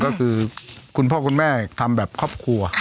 ก็คือคุณพ่อคุณแม่ทำแบบครอบครัว